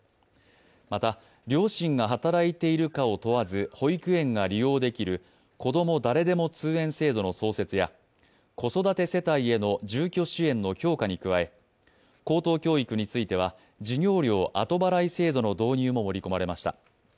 また、両親が働いているかを問わず保育園が利用できるこども誰でも通園制度の創設や子育て世帯への住居支援の強化に加え高等教育については、授業料後払い制度の導入も盛り込まれました。